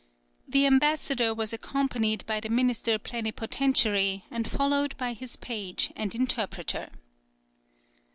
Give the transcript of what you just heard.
The ambassador was accompanied by the minister plenipotentiary, and followed by his page and interpreter.